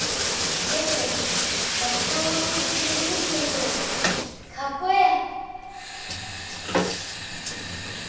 やけど合唱を教えてくれるミキ先生はかっこええ。